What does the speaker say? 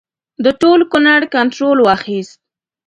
د ټول کنړ کنټرول واخیست.